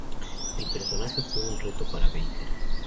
El personaje, fue un reto para Baker.